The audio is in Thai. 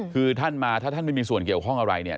คือท่านมาถ้าท่านไม่มีส่วนเกี่ยวข้องอะไรเนี่ย